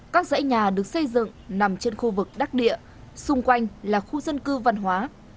các dãy nhà được xây dựng nằm trên khu vực đắc địa xung quanh là khu dân cư văn hóa